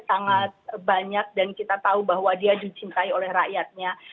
sangat banyak dan kita tahu bahwa dia dicintai oleh rakyatnya